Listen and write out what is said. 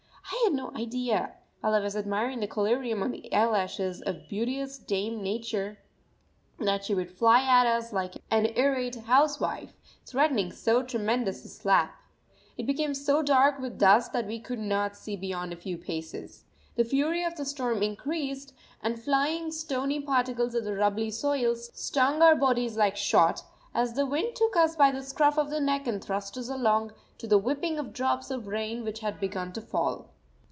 I had no idea, while I was admiring the collyrium on the eyelashes of beauteous dame Nature, that she would fly at us like an irate housewife, threatening so tremendous a slap! It became so dark with the dust that we could not see beyond a few paces. The fury of the storm increased, and flying stony particles of the rubbly soil stung our bodies like shot, as the wind took us by the scruff of the neck and thrust us along, to the whipping of drops of rain which had begun to fall.